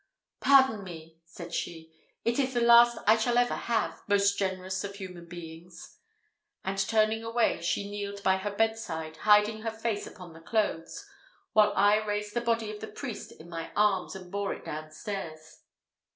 "Pardon me!" said she; "it is the last I shall ever have, most generous of human beings." And turning away, she kneeled by her bed side, hiding her face upon the clothes, while I raised the body of the priest in my arms, and bore it down stairs.